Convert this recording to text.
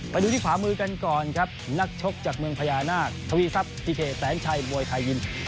ไปดูที่ขวามือกันก่อนครับนักชกจากเมืองพญานาคทวีทรัพย์ทิเคแสนชัยมวยไทยยิม